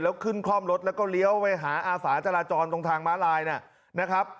แล้วขึ้นคล่อมรถแล้วก็เลี้ยวไปหาอาสาจราจรตรงทางม้าลายนะครับ